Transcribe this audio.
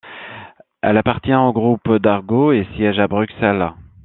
Elle appartient au Groupe Dargaud et siège à Bruxelles.